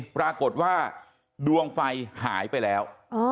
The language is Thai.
ปรากฏว่าดวงไฟหายไปแล้ว